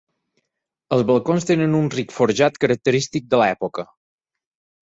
Els balcons tenen un ric forjat característic de l'època.